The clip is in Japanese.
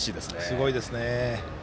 すごいですね。